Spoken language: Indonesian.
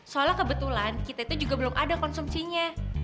soalnya kebetulan kita itu juga belum ada konsumsinya